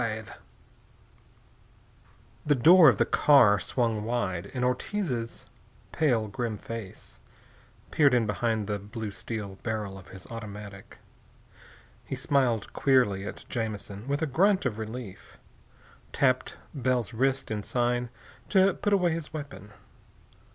] CHAPTER XV The door of the car swung wide, and Ortiz's pale grim face peered in behind the blue steel barrel of his automatic. He smiled queerly as Jamison, with a grunt of relief, tapped Bell's wrist in sign to put away his weapon.